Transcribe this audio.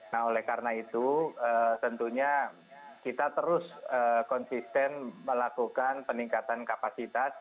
nah oleh karena itu tentunya kita terus konsisten melakukan peningkatan kapasitas